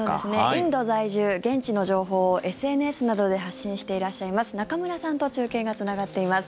インド在住現地の情報をＳＮＳなどで発信していらっしゃいます中村さんと中継がつながっています。